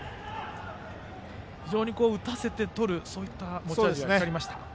非常に打たせてとるという持ち味が光りました。